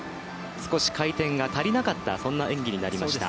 少し回転が足りなかったそんな演技になりました。